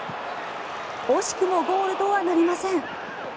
惜しくもゴールとはなりません。